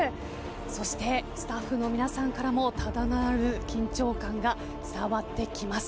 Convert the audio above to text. そして、スタッフの皆さんからもただならぬ緊張感が伝わってきます。